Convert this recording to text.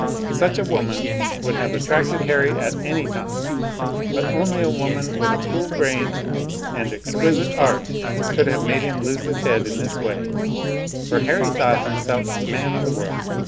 Such a woman would have attracted Harry at any time, but only a woman with a cool brain and exquisite art could have made him lose his head in this way; for Harry thought himself a man of the world.